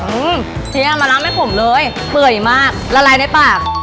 อืมเทียมารำให้ผมเลยเปื่อยมากละลายในปาก